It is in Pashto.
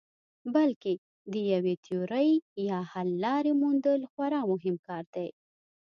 بلکې د یوې تیورۍ یا حللارې موندل خورا مهم کار دی.